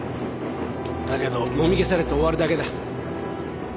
だけどもみ消されて終わるだけだ。